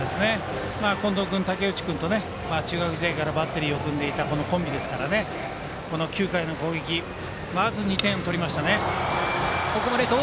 近藤君、武内君と中学時代からバッテリーを組んでいたコンビですから９回の攻撃でまず２点を取りました。